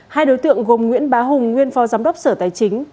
hai đối tượng gồm nguyễn bá hùng nguyên phó giám đốc sở tài chính